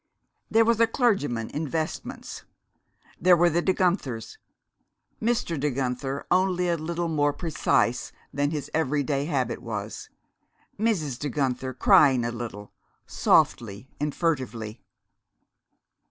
There was a clergyman in vestments. There were the De Guenthers; Mr. De Guenther only a little more precise than his every day habit was, Mrs. De Guenther crying a little, softly and furtively.